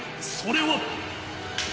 それは